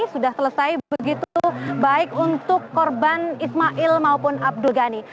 sudah selesai begitu baik untuk korban ismail maupun abdul ghani